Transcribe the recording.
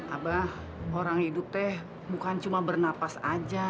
abah orang hidup teh bukan cuma bernapas aja